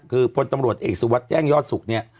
คือพลตำรวจเอกสุวัตรแย่งยอดศุกร์เนี่ย